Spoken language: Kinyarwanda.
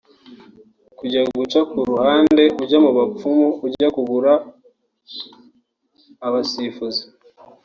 Kujya guca ku ruhande ujya mu bapfumu ujya kugura abasifuzi